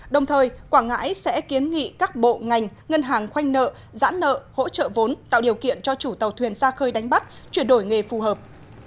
đồng thời quảng ngãi sẽ kiến nghị các bộ ngành ngân hàng khoanh nợ giãn nợ hỗ trợ vốn tạo điều kiện cho chủ tàu thuyền xa khơi đánh bắt chuyển đổi nghề phù hợp